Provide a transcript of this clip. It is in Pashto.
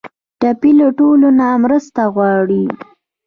ټپي له ټولو نه مرسته غواړي.